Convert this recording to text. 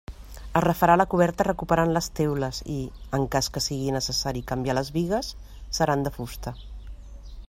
Es refarà la coberta recuperant les teules i, en cas que sigui necessari canviar les bigues, seran de fusta.